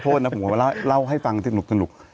ขอโทษนะผมจะล่าวให้ฟังจะสนุก